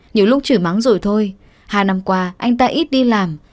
những lúc chửi mắng rồi thôi hai năm qua anh ta ít đi làm